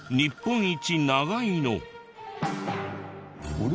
あれ？